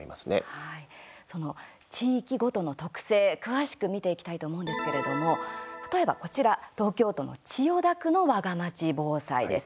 はい、地域ごとの特性詳しく見ていきたいと思うんですけれども例えば、こちら東京都の千代田区のわがまち防災です。